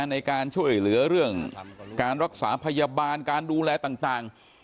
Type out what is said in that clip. ในการช่วยเหลือเรื่องการรักษาพยาบาลการดูแลต่าง